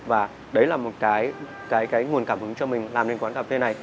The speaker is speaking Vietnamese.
và đấy là một cái nguồn cảm hứng cho mình làm nên quán cà phê này